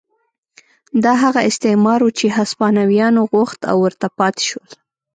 دا هغه استعمار و چې هسپانویانو غوښت او ورته پاتې شول.